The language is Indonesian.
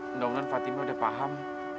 endang endang fatime udah paham